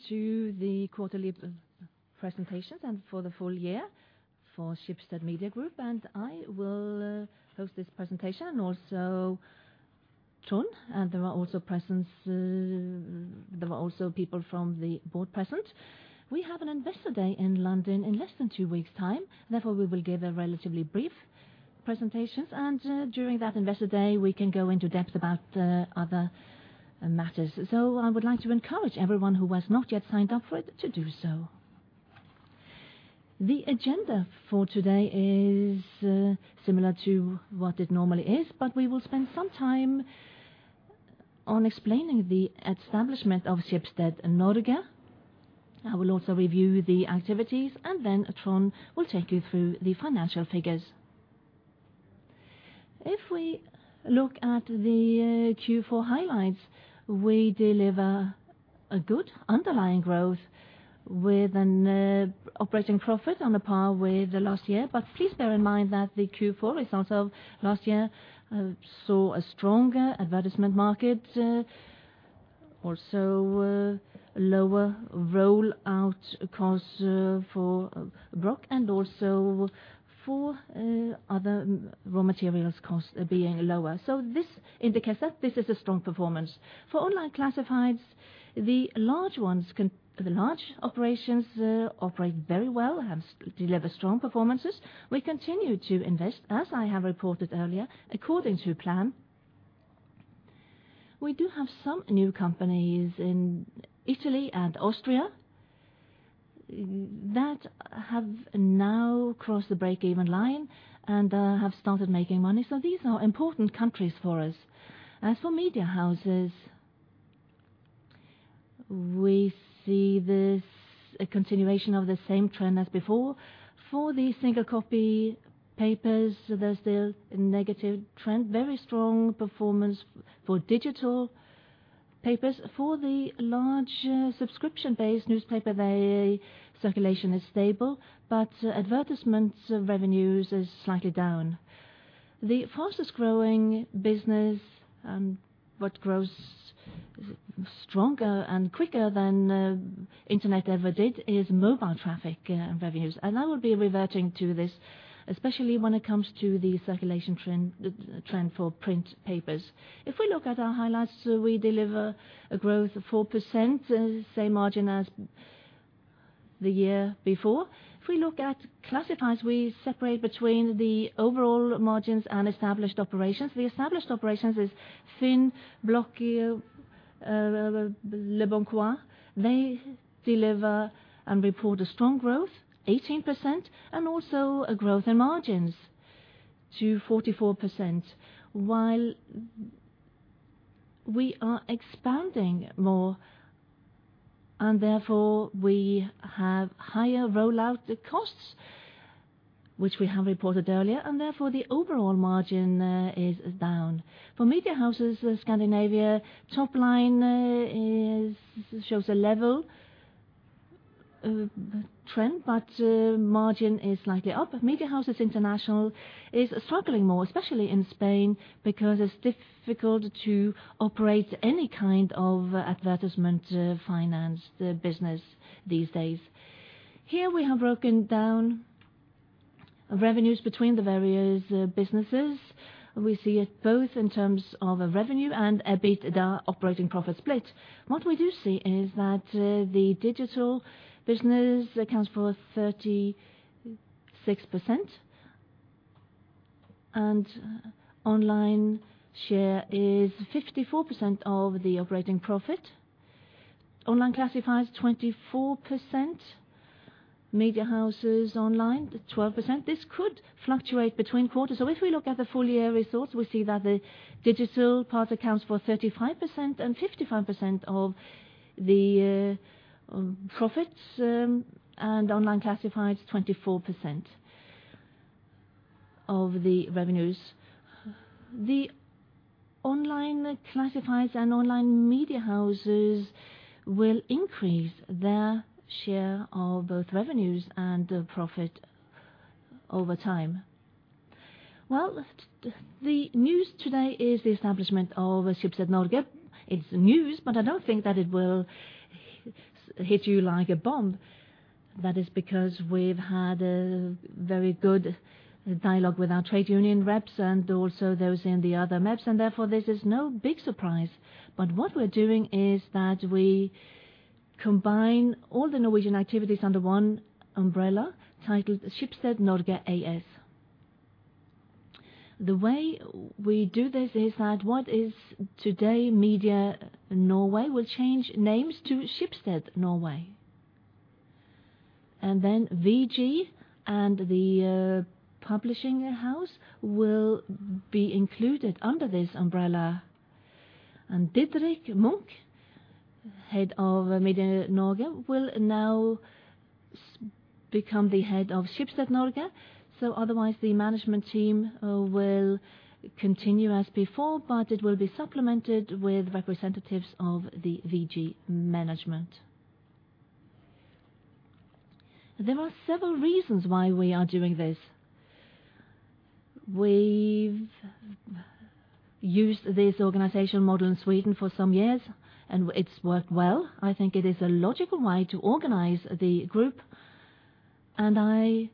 Welcome to the Quarterly Presentations and for the Full Year for Schibsted Media Group. I will host this presentation, and also Trond. There are also people from the board present. We have an Investor Day in London in less than two weeks time. Therefore, we will give a relatively brief presentations. During that Investor Day, we can go into depth about the other matters. I would like to encourage everyone who has not yet signed up for it to do so. The agenda for today is similar to what it normally is, we will spend some time on explaining the establishment of Schibsted Norge. I will also review the activities Trond will take you through the financial figures. If we look at the Q4 highlights, we deliver a good underlying growth with an operating profit on par with last year. Please bear in mind that the Q4 results of last year saw a stronger advertisement market, also lower rollout costs for Blocket and also for other raw materials costs being lower. This indicates that this is a strong performance. For online classifieds, the large operations operate very well, have delivered strong performances. We continue to invest, as I have reported earlier, according to plan. We do have some new companies in Italy and Austria that have now crossed the break-even line and have started making money, so these are important countries for us. As for media houses, we see this a continuation of the same trend as before. For the single copy papers, there's still a negative trend. Very strong performance for digital papers. For the large subscription-based newspaper, the circulation is stable, but advertisements revenues is slightly down. The fastest-growing business, what grows stronger and quicker than Internet ever did, is mobile traffic and revenues. I will be reverting to this, especially when it comes to the circulation trend for print papers. If we look at our highlights, we deliver a growth of 4%, same margin as the year before. If we look at classifieds, we separate between the overall margins and established operations. The established operations is FINN, Blocket, leboncoin. They deliver and report a strong growth, 18%, and also a growth in margins to 44%. While we are expanding more, and therefore we have higher rollout costs, which we have reported earlier, and therefore the overall margin is down. For media houses Scandinavia, top line shows a level trend, but margin is slightly up. media houses international is struggling more, especially in Spain, because it's difficult to operate any kind of advertisement finance business these days. Here we have broken down revenues between the various businesses. We see it both in terms of a revenue and a bit operating profit split. What we do see is that the digital business accounts for 36% and online share is 54% of the operating profit. online classifieds, 24%. media houses online, 12%. This could fluctuate between quarters. If we look at the full year results, we see that the digital part accounts for 35% and 55% of the profits, and online classifieds, 24% of the revenues. The online classifieds and online media houses will increase their share of both revenues and the profit over time. The news today is the establishment of Schibsted Norge. It's news, but I don't think that it will hit you like a bomb. That is because we've had a very good dialogue with our trade union reps and also those in the other maps. Therefore, this is no big surprise. What we're doing is that we combine all the Norwegian activities under one umbrella titled Schibsted Norge AS. The way we do this is that what is today Media Norway will change names to Schibsted Norway. VG and the publishing house will be included under this umbrella. Didrik Munch, head of Media Norge, will now become the head of Schibsted Norge. Otherwise the management team will continue as before, but it will be supplemented with representatives of the VG management. There are several reasons why we are doing this. We've used this organization model in Sweden for some years, and it's worked well. I think it is a logical way to organize the group, and I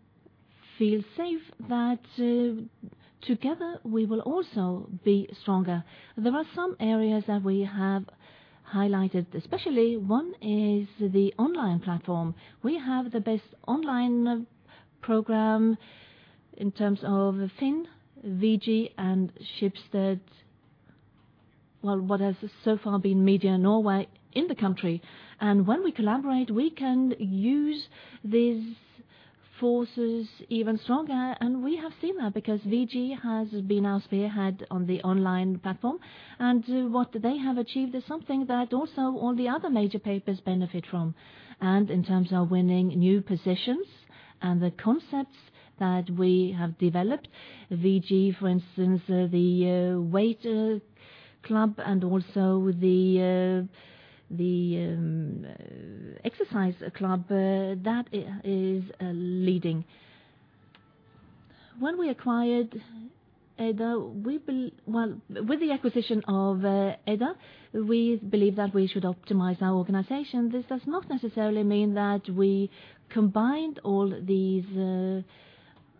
feel safe that together we will also be stronger. There are some areas that we have highlighted, especially one is the online platform. We have the best online program in terms of FINN, VG, and Schibsted. Well, what has so far been Media Norway in the country. When we collaborate, we can use these forces even stronger. We have seen that because VG has been our spearhead on the online platform. What they have achieved is something that also all the other major papers benefit from. In terms of winning new positions and the concepts that we have developed. VG, for instance, the Weight Club and also the Exercise Club, that is leading. When we acquired ADA, Well, with the acquisition of ADA, we believe that we should optimize our organization. This does not necessarily mean that we combined all these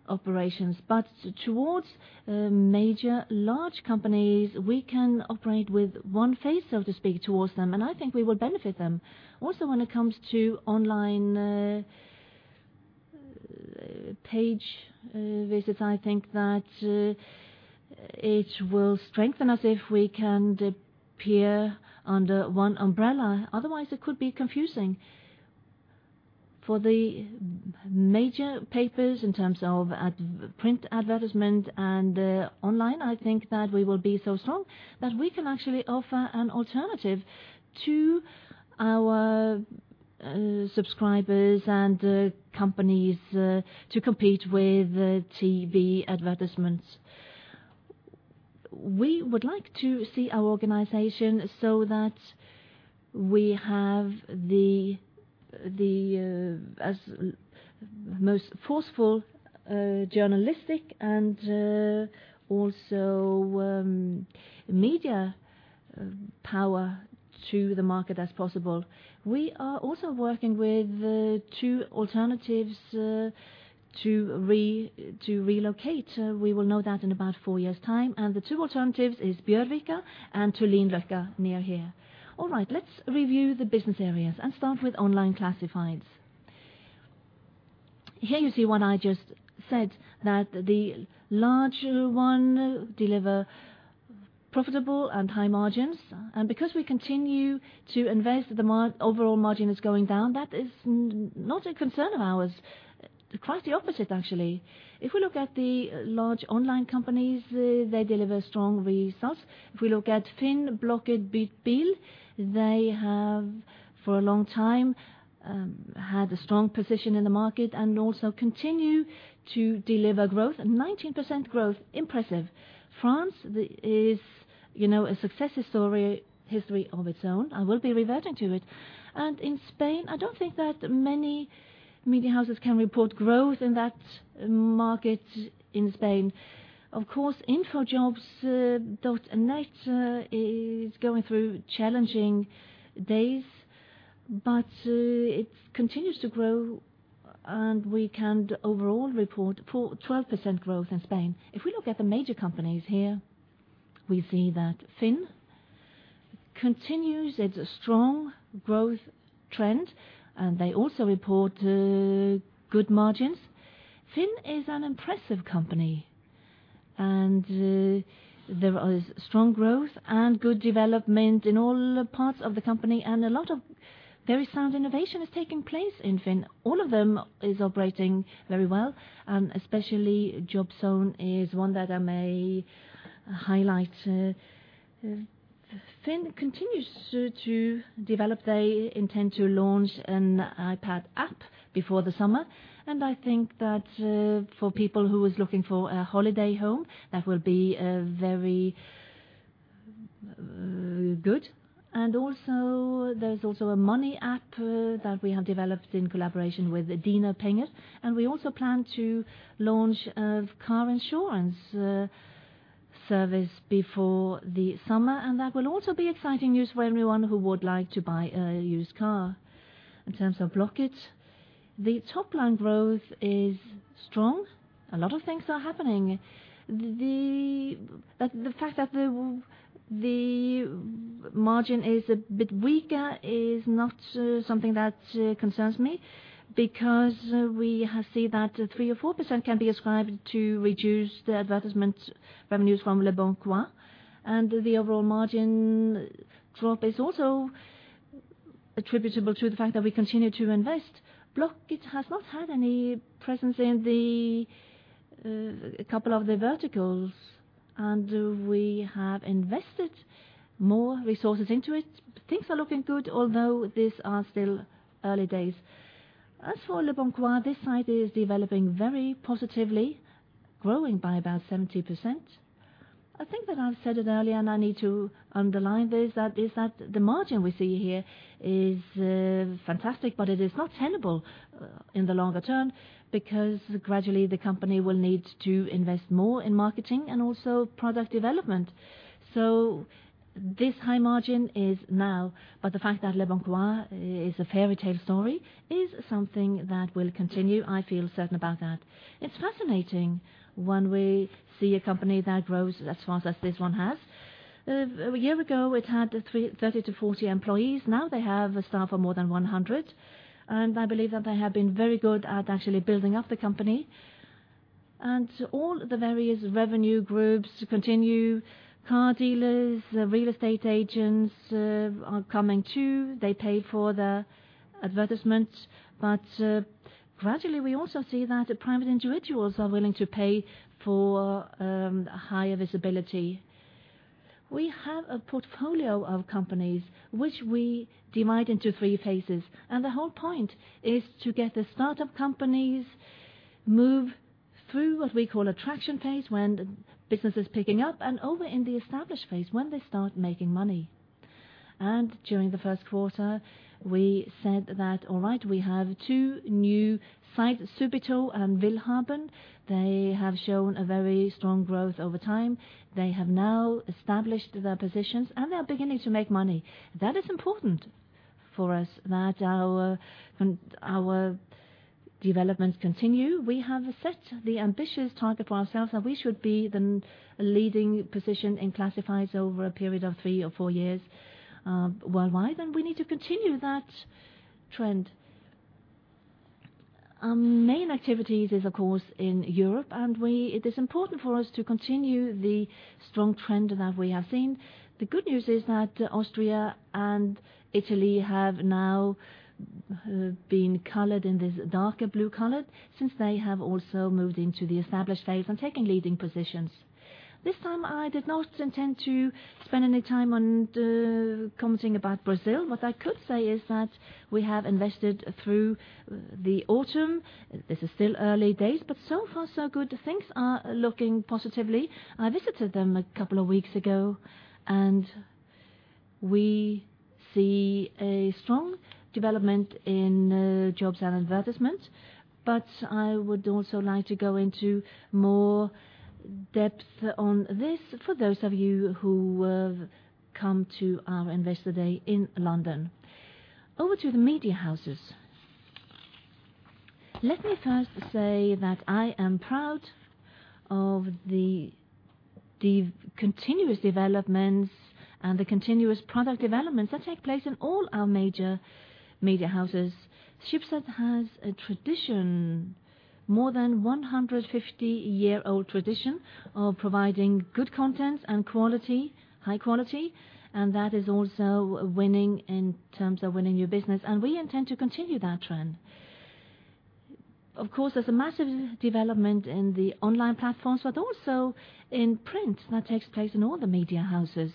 operations, but towards major large companies, we can operate with one face, so to speak, towards them, and I think we will benefit them. When it comes to online page visits, I think that it will strengthen us if we can appear under one umbrella. Otherwise, it could be confusing. For the major papers in terms of print advertisement and online, I think that we will be so strong that we can actually offer an alternative to our subscribers and companies to compete with TV advertisements. We would like to see our organization so that we have the most forceful journalistic and also media power to the market as possible. We are also working with 2 alternatives to relocate. We will know that in about 4 years time. The 2 alternatives is Bjørvika and Tøyenløkka near here. All right, let's review the business areas and start with online classifieds. Here you see what I just said, that the larger one deliver profitable and high margins. Because we continue to invest, the overall margin is going down. That is not a concern of ours. Quite the opposite, actually. If we look at the large online companies, they deliver strong results. If we look at FINN, Blocket, Bytbil, they have for a long time had a strong position in the market and also continue to deliver growth. 19% growth, impressive. France is, you know, a success history of its own. I will be reverting to it. In Spain, I don't think that many media houses can report growth in that market in Spain. Of course, InfoJobs.net is going through challenging days, but it continues to grow, and we can overall report 12% growth in Spain. If we look at the major companies here, we see that FINN continues its strong growth trend, and they also report good margins. FINN is an impressive company. There is strong growth and good development in all parts of the company. A lot of very sound innovation is taking place in FINN. All of them is operating very well, and especially Jobzone is one that I may highlight. FINN continues to develop. They intend to launch an iPad app before the summer. I think that for people who is looking for a holiday home, that will be very good. Also, there's also a money app that we have developed in collaboration with Dine Penger. We also plan to launch a car insurance service before the summer. That will also be exciting news for anyone who would like to buy a used car. In terms of Blocket, the top line growth is strong. A lot of things are happening. The fact that the margin is a bit weaker is not something that concerns me because we see that 3% or 4% can be ascribed to reduced advertisement revenues from leboncoin. The overall margin drop is also attributable to the fact that we continue to invest. Blocket has not had any presence in the couple of the verticals, and we have invested more resources into it. Things are looking good, although these are still early days. As for leboncoin, this site is developing very positively, growing by about 70%. I think that I've said it earlier, and I need to underline this, that is that the margin we see here is fantastic, but it is not tenable in the longer term because gradually the company will need to invest more in marketing and also product development. This high margin is now. The fact that Leboncoin is a fairytale story is something that will continue. I feel certain about that. It's fascinating when we see a company that grows as fast as this one has. A year ago, it had 30 to 40 employees. Now they have a staff of more than 100, and I believe that they have been very good at actually building up the company. All the various revenue groups continue. Car dealers, real estate agents, are coming too. They pay for their advertisements. Gradually we also see that private individuals are willing to pay for, higher visibility. We have a portfolio of companies which we divide into 3 phases, and the whole point is to get the start of companies move through what we call attraction phase, when business is picking up and over in the established phase when they start making money. During the first quarter, we said that, all right, we have 2 new sites, Subito and willhaben. They have shown a very strong growth over time. They have now established their positions, and they are beginning to make money. That is important for us that our developments continue. We have set the ambitious target for ourselves that we should be the leading position in classifieds over a period of 3 or 4 years worldwide. We need to continue that trend. Main activities is of course in Europe, it is important for us to continue the strong trend that we have seen. The good news is that Austria and Italy have now been colored in this darker blue color since they have also moved into the established phase and taking leading positions. This time I did not intend to spend any time on commenting about Brazil. What I could say is that we have invested through the autumn. This is still early days, but so far so good. Things are looking positively. I visited them a couple of weeks ago, and we see a strong development in jobs and advertisements. I would also like to go into more depth on this for those of you who have come to our Investor Day in London. Over to the media houses. Let me first say that I am proud of the continuous developments and the continuous product developments that take place in all our major media houses. Schibsted has a tradition, more than 150-year-old tradition of providing good content and quality, high quality, and that is also winning in terms of winning new business, and we intend to continue that trend. Of course, there's a massive development in the online platforms, but also in print that takes place in all the media houses.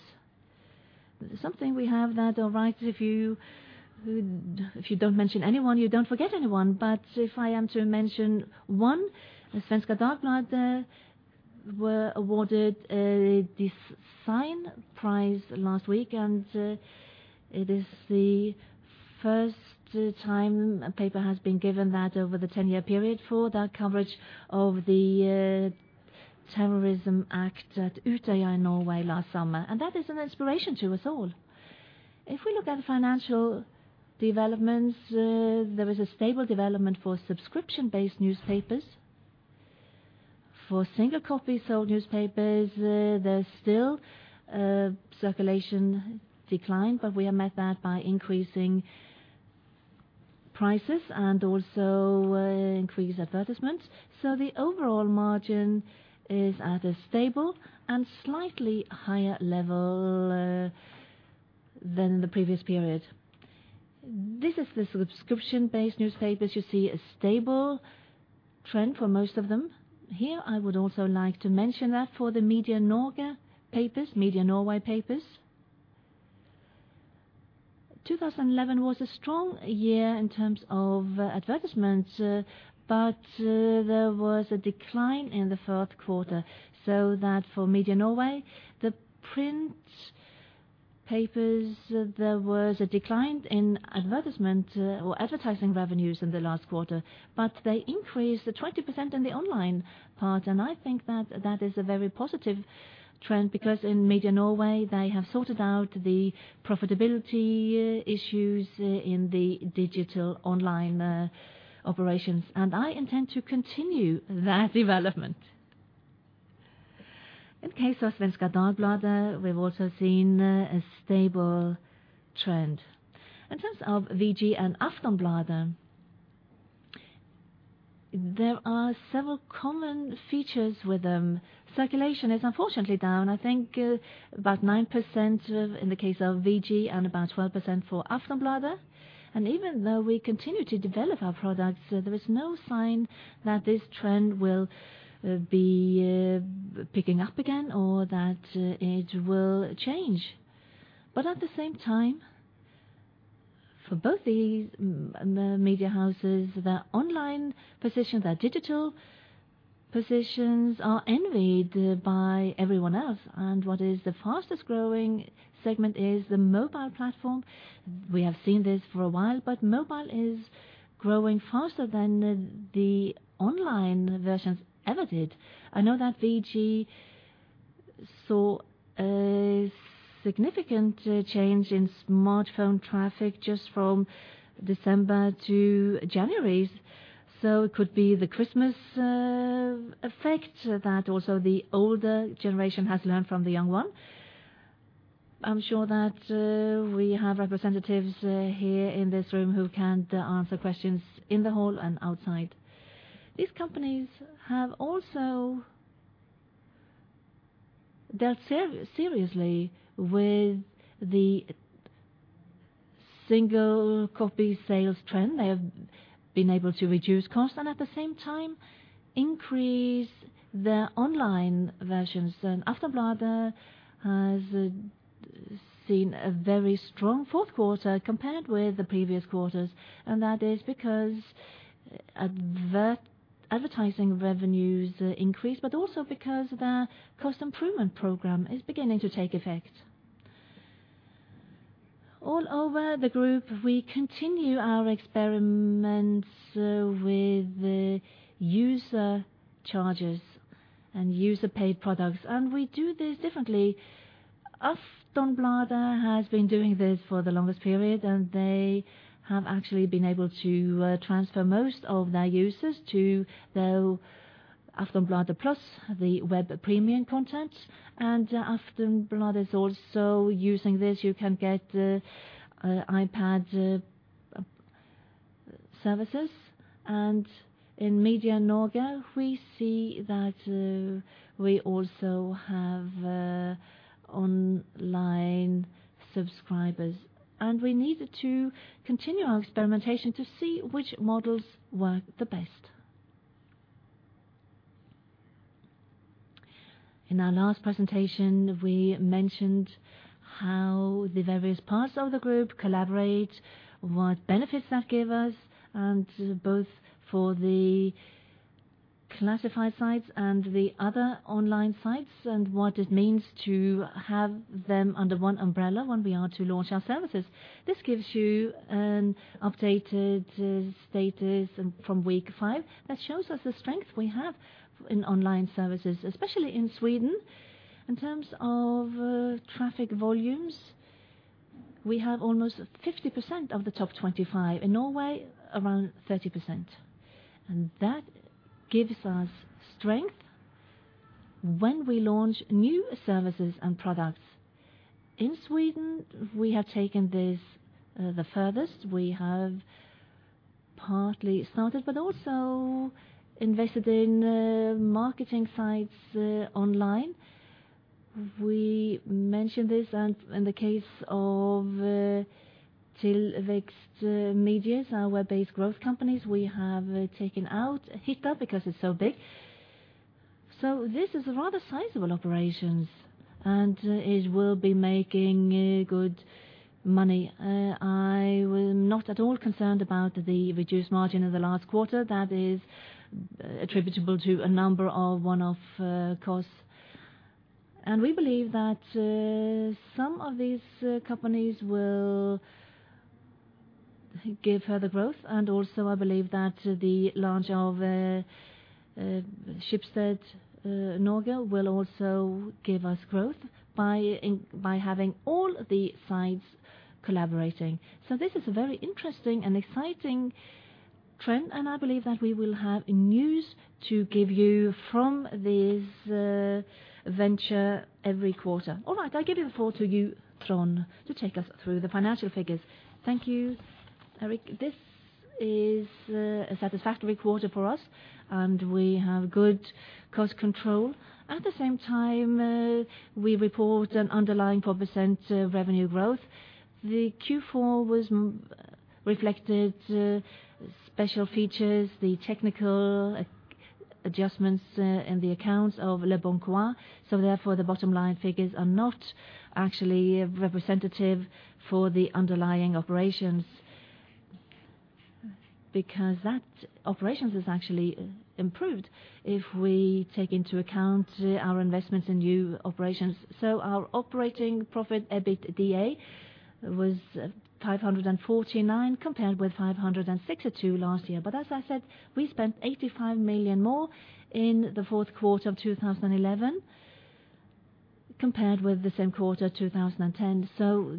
Something we have that all right, if you don't mention anyone, you don't forget anyone. If I am to mention one, Svenska Dagbladet were awarded this Sign Prize last week. It is the first time a paper has been given that over the 10-year period for their coverage of the terrorism act at Utøya, Norway last summer. That is an inspiration to us all. If we look at financial developments, there is a stable development for subscription-based newspapers. For single copy sold newspapers, there's still circulation decline, but we have met that by increasing prices and also increase advertisements. The overall margin is at a stable and slightly higher level than the previous period. This is the subscription-based newspapers. You see a stable trend for most of them. Here I would also like to mention that for the Media Norge papers, Media Norway papers. 2011 was a strong year in terms of advertisements, but there was a decline in the third quarter. That for Media Norge, the print papers, there was a decline in advertisement or advertising revenues in the last quarter, but they increased 20% in the online part. I think that that is a very positive trend because in Media Norge they have sorted out the profitability issues in the digital online operations, and I intend to continue that development. In case of Svenska Dagbladet, we've also seen a stable trend. In terms of VG and Aftonbladet, there are several common features with them. Circulation is unfortunately down, I think about 9% in the case of VG and about 12% for Aftonbladet. Even though we continue to develop our products, there is no sign that this trend will be picking up again or that it will change. At the same time, for both these media houses, their online position, their digital positions are envied by everyone else. What is the fastest growing segment is the mobile platform. We have seen this for a while, but mobile is growing faster than the online versions ever did. I know that VG saw a significant change in smartphone traffic just from December to January. It could be the Christmas effect that also the older generation has learned from the young one. I'm sure that we have representatives here in this room who can answer questions in the hall and outside. These companies have also dealt seriously with the single copy sales trend. They have been able to reduce cost and at the same time increase their online versions. Aftonbladet has seen a very strong fourth quarter compared with the previous quarters, and that is because advertising revenues increased, but also because their cost improvement program is beginning to take effect. All over the group, we continue our experiments with user charges and user paid products, and we do this differently. Aftonbladet has been doing this for the longest period, and they have actually been able to transfer most of their users to their Aftonbladet Plus, the web premium content. Aftonbladet is also using this. You can get iPad services. In Media Norge, we see that we also have online subscribers, and we need to continue our experimentation to see which models work the best. In our last presentation, we mentioned how the various parts of the group collaborate, what benefits that give us, and both for the classified sites and the other online sites, and what it means to have them under one umbrella when we are to launch our services. This gives you an updated status from week five that shows us the strength we have in online services, especially in Sweden. In terms of traffic volumes, we have almost 50% of the top 25. In Norway, around 30%. That gives us strength when we launch new services and products. In Sweden, we have taken this the furthest. We have partly started, but also invested in marketing sites online. We mentioned this, and in the case of Tillväxtmedia, our web-based growth companies, we have taken out Hitta because it's so big. This is a rather sizable operations, and it will be making good money. I'm not at all concerned about the reduced margin in the last quarter. That is attributable to a number of one-off costs. We believe that some of these companies will give her the growth. I believe that the launch of Schibsted Norge will also give us growth by having all the sites collaborating. This is a very interesting and exciting trend, and I believe that we will have news to give you from this venture every quarter. I give the floor to you, Trond, to take us through the financial figures. Thank you, Erik. This is a satisfactory quarter for us, and we have good cost control. At the same time, we report an underlying 4% revenue growth. The Q4 reflected special features, the technical adjustments in the accounts of leboncoin. Therefore, the bottom line figures are not actually representative for the underlying operations, because that operations is actually improved if we take into account our investments in new operations. Our operating profit, EBITDA, was 549 million, compared with 562 million last year. As I said, we spent 85 million more in the fourth quarter of 2011 compared with the same quarter, 2010.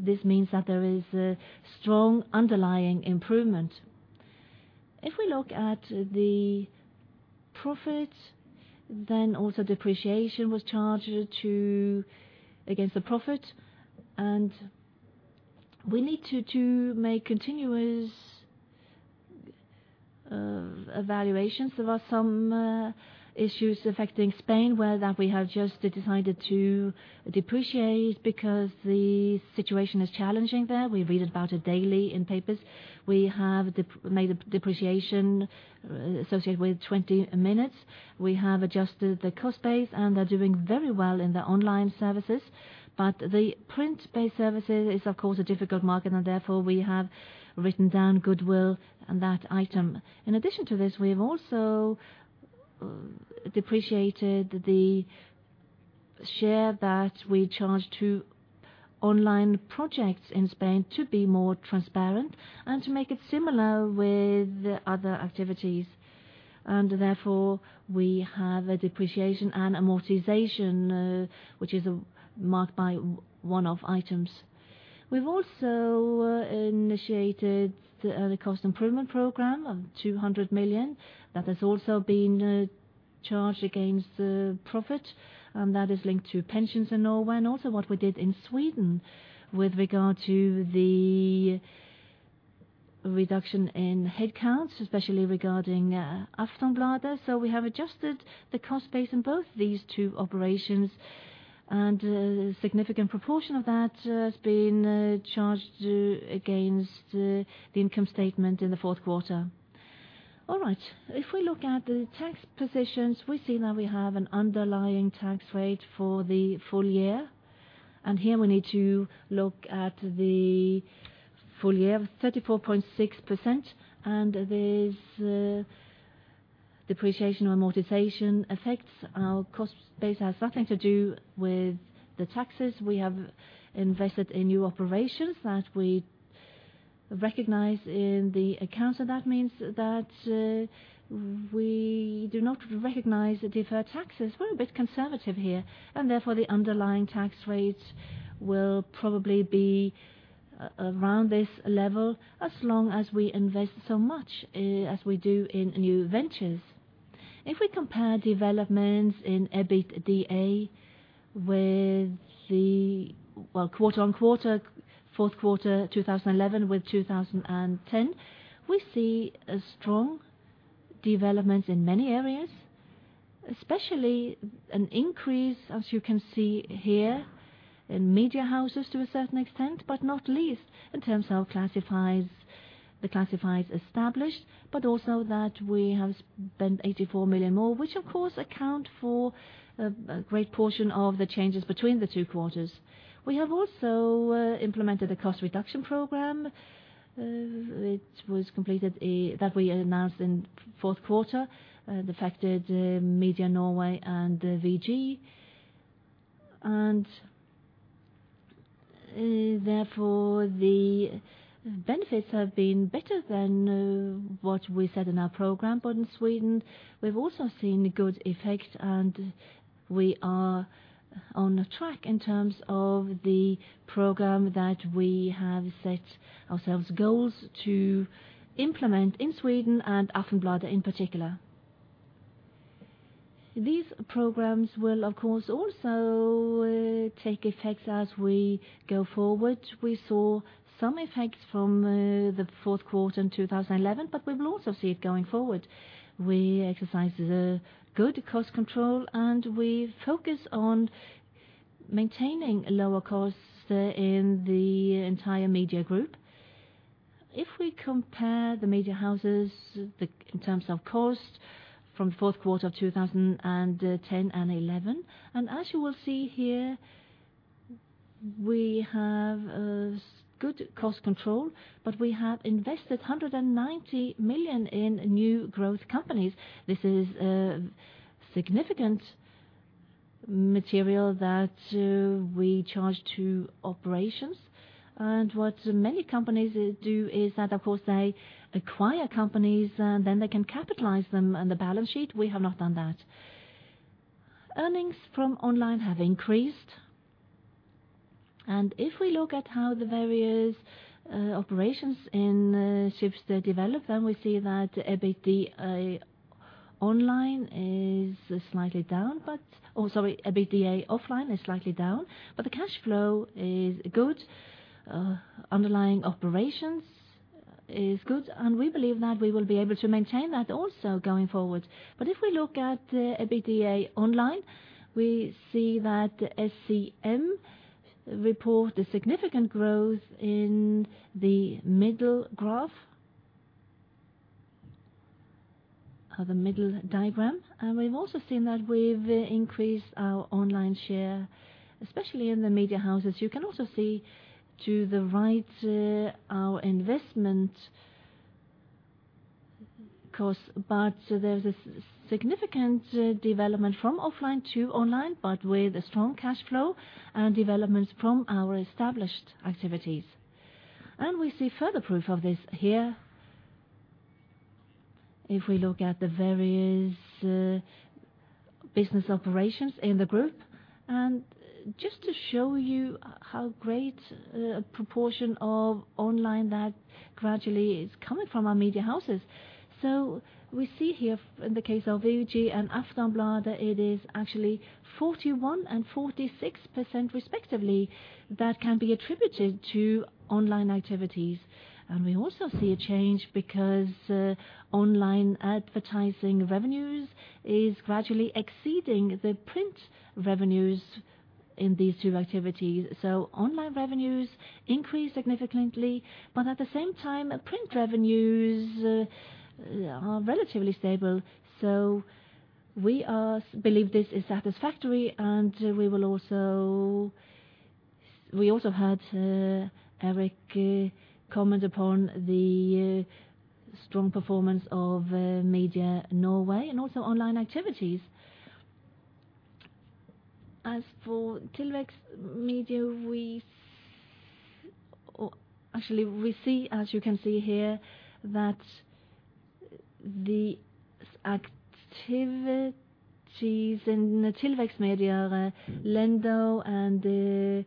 This means that there is a strong underlying improvement. If we look at the profit, then also depreciation was charged against the profit, and we need to make continuous evaluations. There are some issues affecting Spain, where that we have just decided to depreciate because the situation is challenging there. We read about it daily in papers. We have made a depreciation associated with 20 Minutes. We have adjusted the cost base. They're doing very well in the online services. The print-based services is, of course, a difficult market. Therefore, we have written down goodwill and that item. In addition to this, we have also depreciated the share that we charge to online projects in Spain to be more transparent and to make it similar with other activities. Therefore, we have a depreciation and amortization which is marked by one-off items. We've also initiated the cost improvement program of 200 million. That has also been charged against the profit. That is linked to pensions in Norway and also what we did in Sweden with regard to the reduction in headcounts, especially regarding Aftonbladet. We have adjusted the cost base in both these two operations, and a significant proportion of that has been charged against the income statement in the fourth quarter. All right. If we look at the tax positions, we see that we have an underlying tax rate for the full year. Here, we need to look at the full year of 34.6%. There's depreciation or amortization effects. Our cost base has nothing to do with the taxes. We have invested in new operations that we recognize in the accounts, so that means that we do not recognize the deferred taxes. We're a bit conservative here, and therefore the underlying tax rates will probably be around this level as long as we invest so much as we do in new ventures. If we compare developments in EBITDA with the... Well, quarter-on-quarter, fourth quarter 2011 with 2010, we see a strong development in many areas, especially an increase, as you can see here, in media houses to a certain extent, but not least in terms of classifieds, the classifieds established, but also that we have spent 84 million more, which of course account for a great portion of the changes between the two quarters. We have also implemented a cost reduction program, which was completed, that we announced in fourth quarter, that affected Media Norway and VG. Therefore, the benefits have been better than what we said in our program. In Sweden, we've also seen a good effect, and we are on track in terms of the program that we have set ourselves goals to implement in Sweden and Aftonbladet in particular. These programs will, of course, also take effect as we go forward. We saw some effects from the fourth quarter in 2011, but we will also see it going forward. We exercise a good cost control, and we focus on maintaining lower costs in the entire media group. If we compare the media houses, the, in terms of cost from fourth quarter 2010 and 2011, and as you will see here, we have a good cost control, but we have invested 190 million in new growth companies. This is a significant material that we charge to operations. What many companies do is that, of course, they acquire companies, and then they can capitalize them on the balance sheet. We have not done that. Earnings from online have increased. If we look at how the various operations in Schibsted develop, then we see that EBITDA online is slightly down, but EBITDA offline is slightly down, but the cash flow is good, underlying operations is good, and we believe that we will be able to maintain that also going forward. If we look at EBITDA online, we see that SCM report a significant growth in the middle graph or the middle diagram. We've also seen that we've increased our online share, especially in the media houses. You can also see to the right, our investment cost. There's a significant development from offline to online, but with a strong cash flow and developments from our established activities. We see further proof of this here. If we look at the various business operations in the group, just to show you how great a proportion of online that gradually is coming from our media houses. We see here in the case of VG and Aftonbladet, it is actually 41% and 46% respectively that can be attributed to online activities. We also see a change because online advertising revenues is gradually exceeding the print revenues in these two activities. Online revenues increased significantly, but at the same time, print revenues are relatively stable. We believe this is satisfactory. We also had Erik comment upon the strong performance of Media Norway and also online activities. As for Tillväxtmedier, actually, we see, as you can see here, that the activities in Tillväxtmedier, Lendo and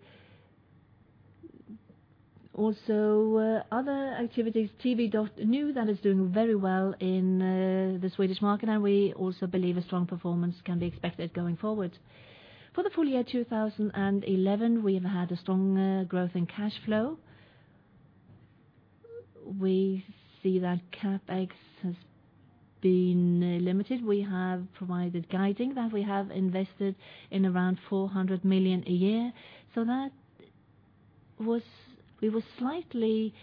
also other activities, tv.nu, that is doing very well in the Swedish market, and we also believe a strong performance can be expected going forward. For the full year 2011, we have had a strong growth in cash flow. We see that CapEx has been limited. We have provided guiding that we have invested in around 400 million a year. We were slightly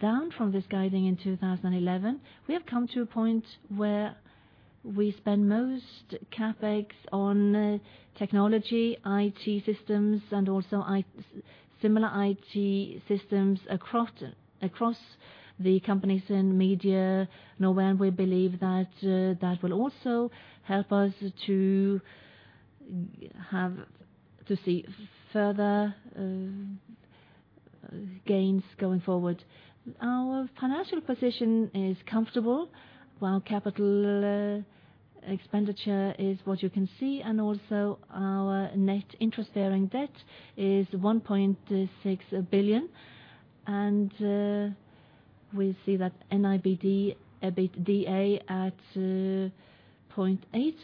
down from this guiding in 2011. We have come to a point where we spend most CapEx on technology, IT systems, and also similar IT systems across the companies in Media Norway. We believe that will also help us to see further gains going forward. Our financial position is comfortable, while capital expenditure is what you can see, and also our net interest-bearing debt is 1.6 billion. We see that EBITDA at 0.8 billion.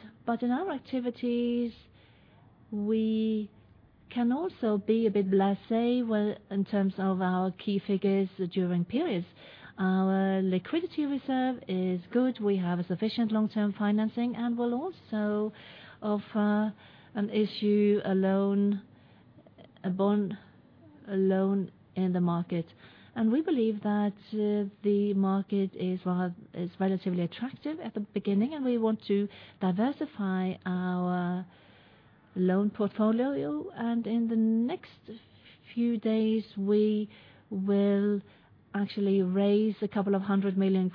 In our activities, we can also be a bit blasé, well, in terms of our key figures during periods. Our liquidity reserve is good. We have a sufficient long-term financing, and we'll also offer and issue a loan, a bond, a loan in the market. We believe that the market is relatively attractive at the beginning, and we want to diversify our loan portfolio. In the next few days, we will actually raise NOK 200 million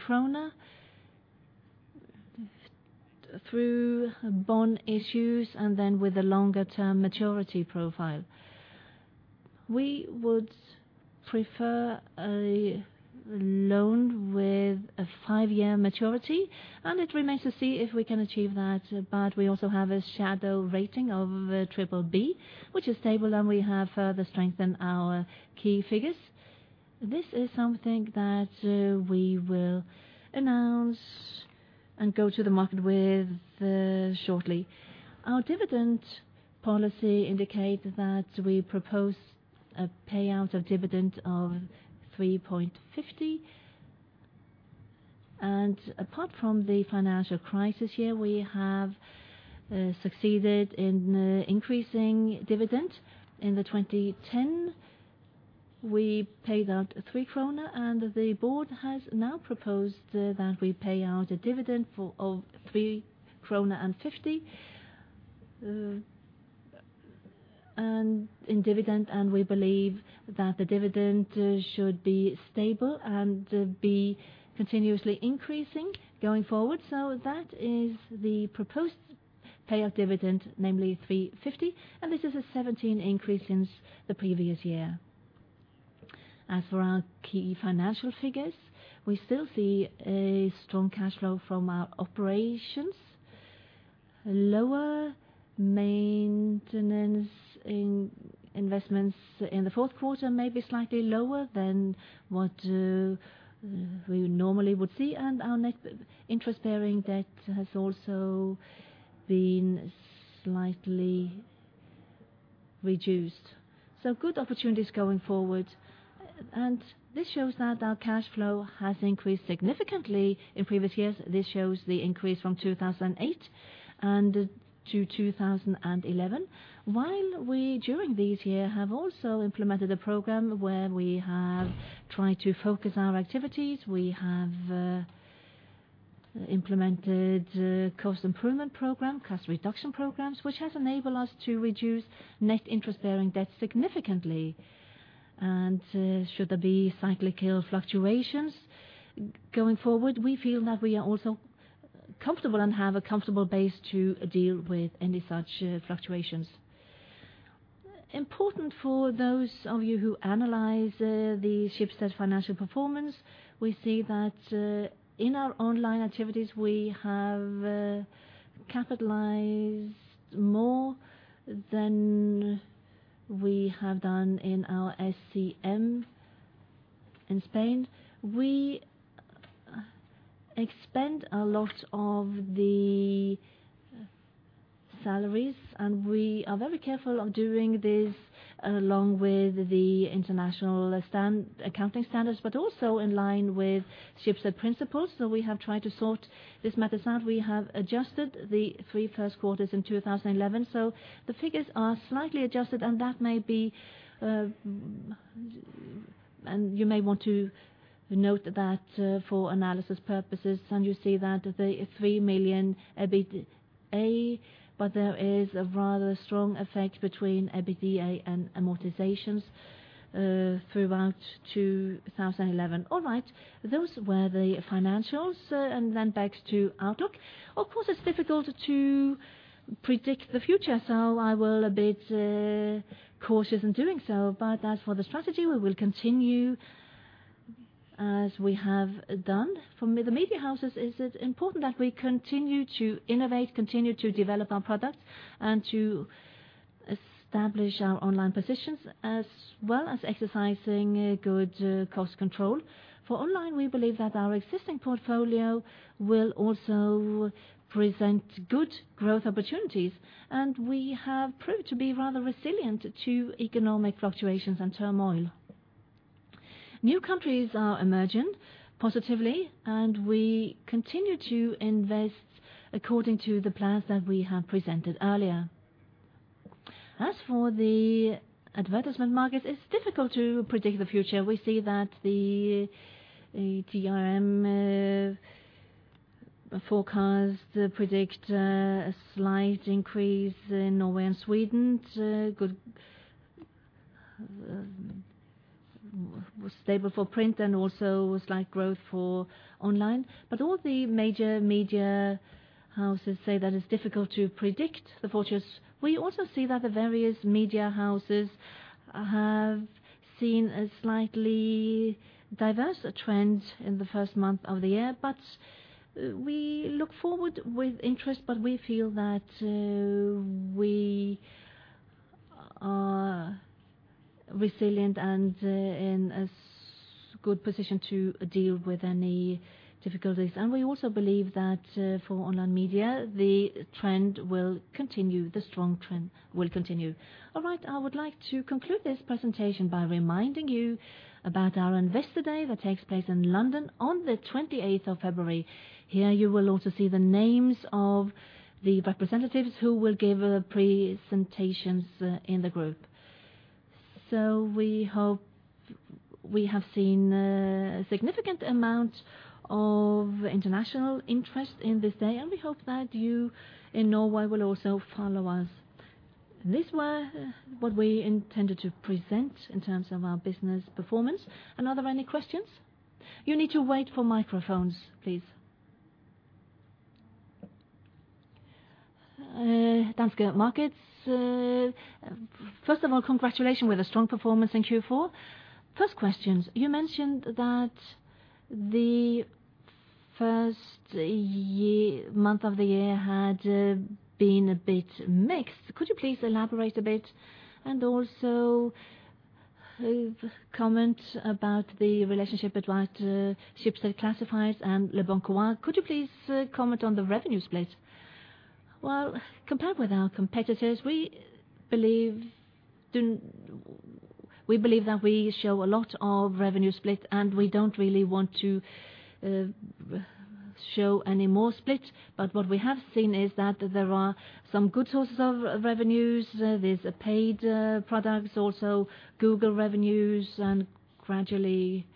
through bond issues and then with a longer-term maturity profile. We would prefer a loan with a 5-year maturity, and it remains to see if we can achieve that. We also have a shadow rating of BBB, which is stable, and we have further strengthened our key figures. This is something that we will announce and go to the market with shortly. Our dividend policy indicates that we propose a payout of dividend of 3.50. Apart from the financial crisis year, we have succeeded in increasing dividend. In the 2010, we paid out 3 kronor, and the board has now proposed that we pay out a dividend of SEK 3.50, and we believe that the dividend should be stable and be continuously increasing going forward. That is the proposed payout dividend, namely 3.50, and this is a 17% increase since the previous year. As for our key financial figures, we still see a strong cash flow from our operations. Lower maintenance investments in the fourth quarter, maybe slightly lower than what we normally would see, and our net interest-bearing debt has also been slightly reduced. Good opportunities going forward. This shows that our cash flow has increased significantly in previous years. This shows the increase from 2008 and to 2011. While we, during this year, have also implemented a program where we have tried to focus our activities, we have implemented a cost improvement program, cost reduction programs, which has enabled us to reduce net interest-bearing debt significantly. Should there be cyclical fluctuations going forward, we feel that we are also comfortable and have a comfortable base to deal with any such fluctuations. Important for those of you who analyze the Schibsted financial performance, we see that in our online activities, we have capitalized more than we have done in our SCM in Spain. We expend a lot of the salaries, and we are very careful of doing this along with the international accounting standards, but also in line with Schibsted principles. We have tried to sort these matters out. We have adjusted the 3 first quarters in 2011. The figures are slightly adjusted, and that may be, and you may want to note that for analysis purposes. You see that the 3 million EBITDA, there is a rather strong effect between EBITDA and amortizations throughout 2011. All right. Those were the financials. Then back to outlook. It's difficult to predict the future, so I will a bit cautious in doing so. As for the strategy, we will continue as we have done. For the media houses, it is important that we continue to innovate, continue to develop our products, and to establish our online positions as well as exercising a good cost control. For online, we believe that our existing portfolio will also present good growth opportunities, and we have proved to be rather resilient to economic fluctuations and turmoil. New countries are emerging positively, and we continue to invest according to the plans that we have presented earlier. As for the advertisement market, it's difficult to predict the future. We see that the TRM forecast predict a slight increase in Norway and Sweden. Stable for print and also slight growth for online. All the major media houses say that it's difficult to predict the future. We also see that the various media houses have seen a slightly diverse trend in the first month of the year. We look forward with interest, but we feel that we are resilient and in a good position to deal with any difficulties. We also believe that for online media, the trend will continue. The strong trend will continue. All right. I would like to conclude this presentation by reminding you about our Investor Day that takes place in London on the 28th of February. Here, you will also see the names of the representatives who will give presentations in the group. We have seen a significant amount of international interest in this day, and we hope that you in Norway will also follow us. These were what we intended to present in terms of our business performance. Are there any questions? You need to wait for microphones, please. Danske Markets. First of all, congratulations with a strong performance in Q4. First question: You mentioned that the first month of the year had been a bit mixed. Could you please elaborate a bit and also comment about the relationship advice to Schibsted Classifieds and leboncoin? Could you please comment on the revenue split? Well, compared with our competitors, we believe that we show a lot of revenue split, and we don't really want to show any more split. What we have seen is that there are some good sources of revenues. There's paid products, also Google revenues, gradually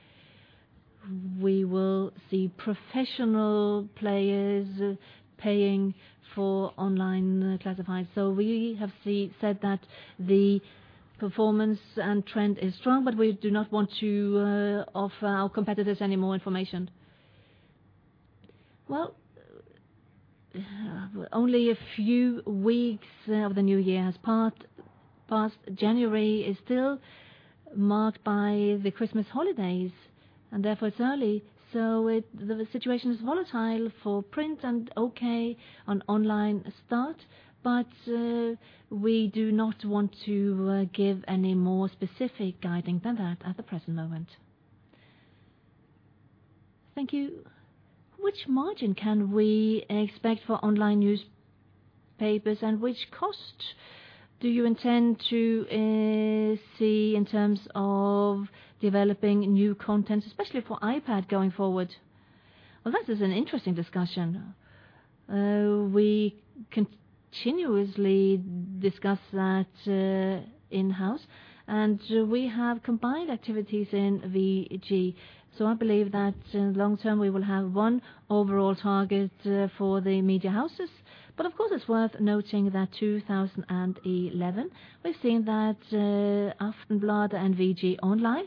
we will see professional players paying for online classifieds. We have said that the performance and trend is strong, we do not want to offer our competitors any more information. Well, only a few weeks of the new year has passed. January is still marked by the Christmas holidays and therefore it's early. The situation is volatile for print and okay on online start. We do not want to give any more specific guiding than that at the present moment. Thank you. Which margin can we expect for online newspapers and which cost do you intend to see in terms of developing new content, especially for iPad going forward? Well, this is an interesting discussion. We continuously discuss that in-house, and we have combined activities in VG. I believe that long-term, we will have one overall target for the media houses. Of course, it's worth noting that 2011, we've seen that Aftenbladet and VG Online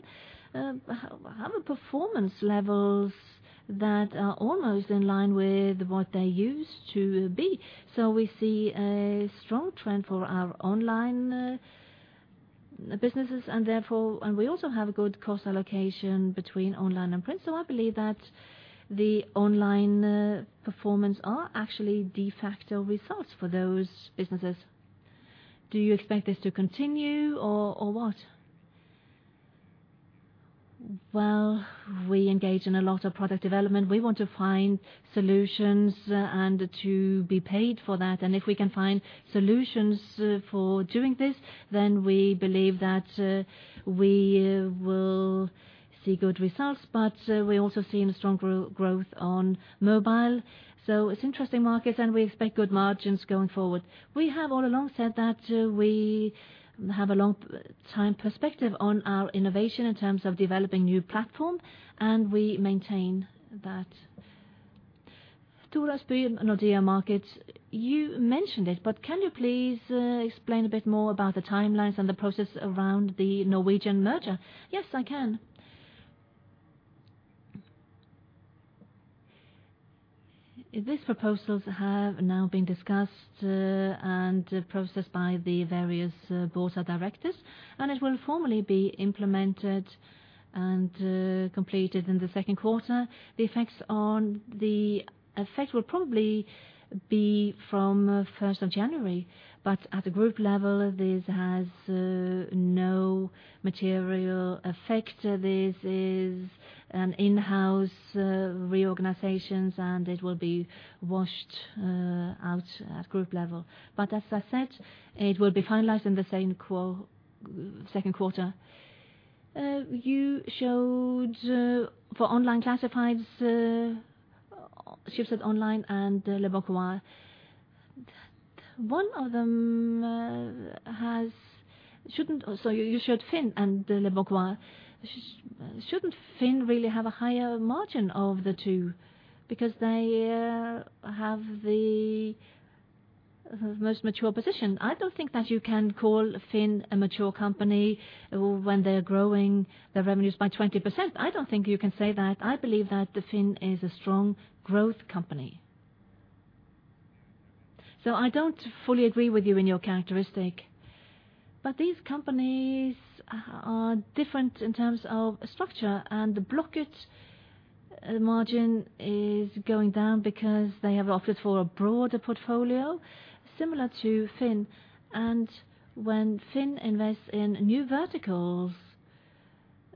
have a performance levels that are almost in line with what they used to be. We see a strong trend for our online businesses and therefore. We also have a good cost allocation between online and print. I believe that the online performance are actually de facto results for those businesses. Do you expect this to continue or what? Well, we engage in a lot of product development. We want to find solutions and to be paid for that. If we can find solutions for doing this, we believe that we will see good results. We're also seeing a strong growth on mobile. It's interesting markets, and we expect good margins going forward. We have all along said that we have a long time perspective on our innovation in terms of developing new platform, and we maintain that. Nordea Markets. You mentioned it, but can you please explain a bit more about the timelines and the process around the Norwegian merger? Yes, I can. These proposals have now been discussed and processed by the various boards of directors, and it will formally be implemented and completed in the second quarter. The effect will probably be from first of January, but at a group level, this has no material effect. This is an in-house reorganizations, and it will be washed out at group level. As I said, it will be finalized in the second quarter. You showed for online classifieds, Schibsted Online and leboncoin that one of them. You showed FINN and leboncoin. Shouldn't FINN really have a higher margin of the two because they have the most mature position? I don't think that you can call FINN a mature company when they're growing their revenues by 20%. I don't think you can say that. I believe that FINN is a strong growth company. I don't fully agree with you in your characteristic. These companies are different in terms of structure, and the Blocket margin is going down because they have opted for a broader portfolio similar to FINN. When FINN invests in new verticals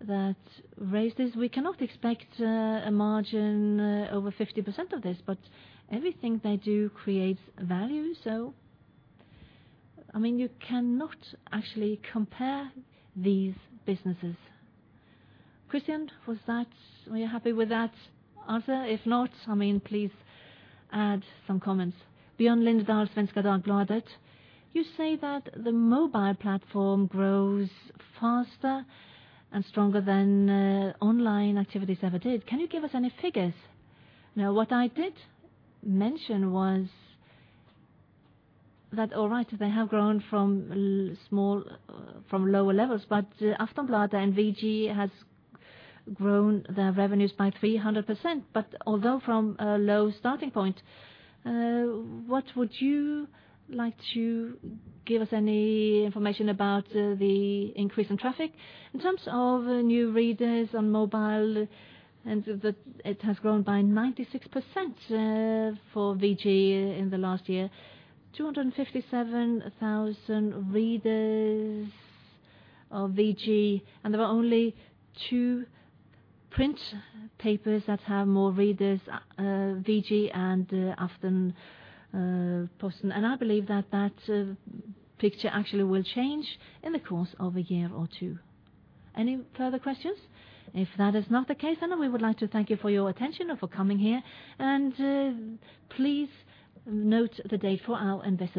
that raise this, we cannot expect a margin over 50% of this. Everything they do creates value. I mean, you cannot actually compare these businesses. Christian, were you happy with that answer? If not, I mean, please add some comments. Bjørn Lindahl, Svenska Dagbladet, you say that the mobile platform grows faster and stronger than online activities ever did. Can you give us any figures? What I did mention was that, all right, they have grown from small, from lower levels, but Aftonbladet and VG has grown their revenues by 300%. Although from a low starting point, what would you like to give us any information about the increase in traffic? In terms of new readers on mobile, it has grown by 96% for VG in the last year. 257,000 readers of VG, and there are only two print papers that have more readers, VG and Aftenposten. I believe that that picture actually will change in the course of a year or two. Any further questions? If that is not the case, we would like to thank you for your attention and for coming here. Please note the date for our Investor Day.